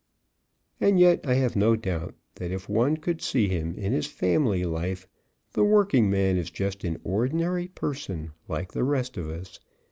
And yet I have no doubt that if one could see him in his family life the Workingman is just an ordinary person like the rest of us.